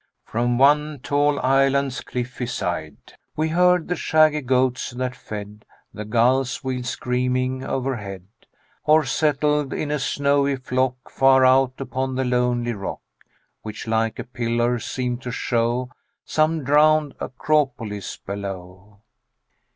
From one tall island's cliffy side We heard the shaggy goats that fed: The gulls wheeled screaming overhead Or settled in a snowy flock Far out upon the lonely rock Which, like a pillar, seemed to show Some drowned acropolis below.